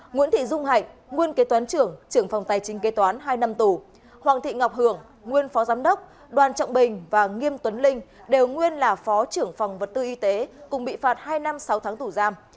nguyễn thị dung hạnh nguyên kế toán trưởng trưởng phòng tài chính kế toán hai năm tù hoàng thị ngọc hưởng nguyên phó giám đốc đoàn trọng bình và nghiêm tuấn linh đều nguyên là phó trưởng phòng vật tư y tế cùng bị phạt hai năm sáu tháng tù giam